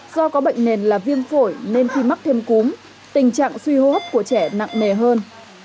do có bệnh nền là viêm phổi nên khi mắc thêm cúm tình trạng suy hô hấp của trẻ nặng nề hơn